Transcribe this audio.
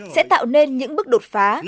sẽ tạo nên những bước đột phá